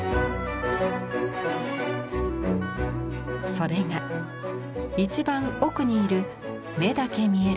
それが一番奥にいる目だけ見える人物です。